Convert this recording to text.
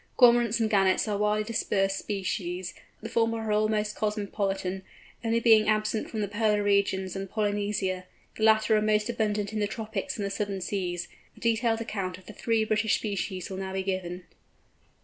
Cormorants and Gannets are widely dispersed species; the former are almost cosmopolitan, only being absent from the polar regions and Polynesia; the latter are most abundant in the tropics and the southern seas. A detailed account of the three British species will now be given.